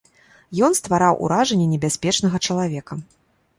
Ён ствараў уражанне небяспечнага чалавека?